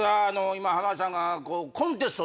今浜田さんが。